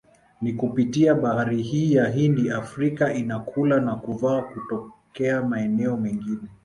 Ni kupitia bahari hii ya Hindi Afrika inakula na kuvaa kutokea maeneo mengine